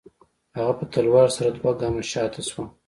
هغه په تلوار سره دوه گامه شاته سوه.